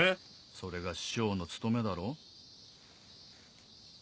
それが師匠の務めだろ。